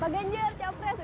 pak ganjar capres